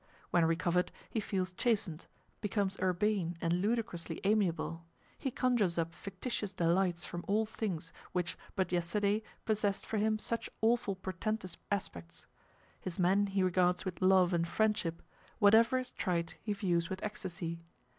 When recovered, he feels chastened, becomes urbane and ludicrously amiable, he conjures up fictitious delights from all things which, but yesterday, possessed for him such awful portentous aspects. His men he regards with love and friendship; whatever is trite he views with ecstasy.